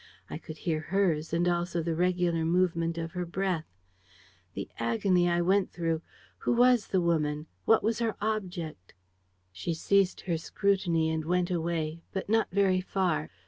I could hear hers and also the regular movement of her breath. The agony I went through! Who was the woman? What was her object? "She ceased her scrutiny and went away, but not very far.